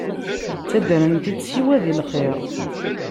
Ttaddren-t-id siwa di lxir.